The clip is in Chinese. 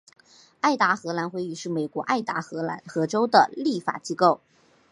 爱达荷州议会是美国爱达荷州的立法机构。